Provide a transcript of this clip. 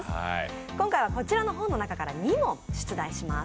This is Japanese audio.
今回は、こちらの本の中から２問出題します。